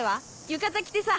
浴衣着てさ。